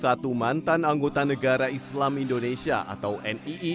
sebanyak satu ratus dua puluh satu mantan anggota negara islam indonesia atau nii